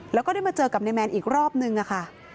แล้วก็ได้มาเจอกับนายแมนอีกรอบนึงอะค่ะ